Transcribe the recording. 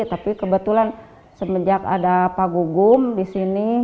tapi kebetulan semenjak ada pak gugum di sini